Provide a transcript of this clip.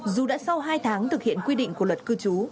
dù đã sau hai tháng thực hiện quy định của luật cư trú